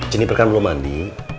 cini berkan belum mandi